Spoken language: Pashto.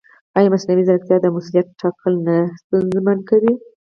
ایا مصنوعي ځیرکتیا د مسؤلیت ټاکل نه ستونزمن کوي؟